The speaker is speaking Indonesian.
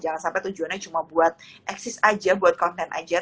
jangan sampai tujuannya cuma buat eksis aja buat konten aja tapi inget ya